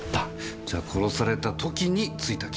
じゃ殺された時についた傷？